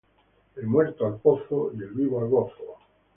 El muerto al pozo y el vivo al gozo.